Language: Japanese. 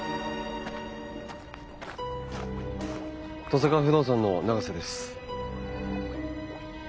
登坂不動産の永瀬です。